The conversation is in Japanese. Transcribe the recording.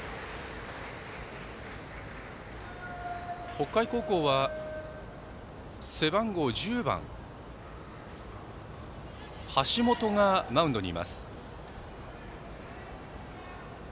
北海高校は、背番号１０番橋本がマウンドにいます。